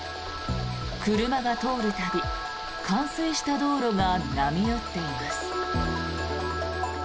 車が通る度冠水した道路が波打っています。